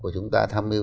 chúng ta tham hiu